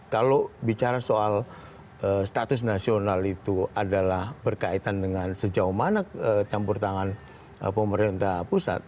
kalau bicara soal status nasional itu adalah berkaitan dengan sejauh mana campur tangan pemerintah pusat